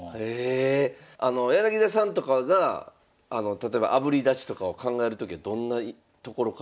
柳田さんとかが例えばあぶり出しとかを考えるときはどんなところから。